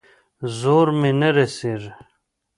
زور مې نه رسېږي.